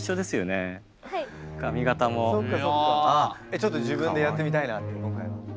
ちょっと自分でやってみたいなって今回は？